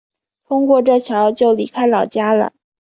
通过这桥就离开老家了